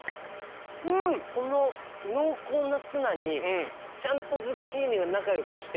この濃厚なツナにちゃんとズッキーニが仲良くして。